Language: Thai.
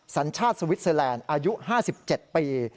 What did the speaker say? สัญชาติสวิสเซอร์แลนด์อายุ๕๗ปี